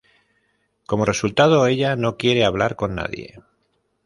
Como resultado, ella no quiere hablar con nadie.